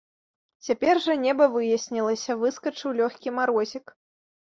Цяпер жа неба выяснілася, выскачыў лёгкі марозік.